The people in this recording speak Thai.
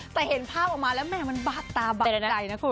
แต่เห็นภาพออกมาแล้วแม่มันบาดตาบาดใจนะคุณ